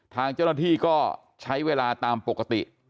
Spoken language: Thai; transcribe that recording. ทางเจ้าหน้าที่ก็ใช้เวลาตามปกติ